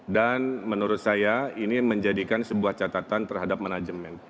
dan menurut saya ini menjadikan sebuah catatan terhadap manajemen